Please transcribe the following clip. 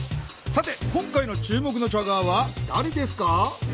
さて今回の注目のチャガーはだれですか？